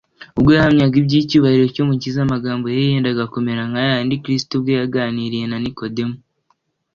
. Ubwo yahamyaga iby’icyubahiro cy’Umukiza, amagambo ye yendaga kumera nka ya yandi Kristo ubwe yaganiriye na Nikodemo